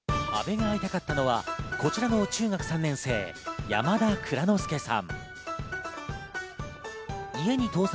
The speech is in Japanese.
阿部が会いたかったのはこちらの中学３年生、山田藏之輔さん。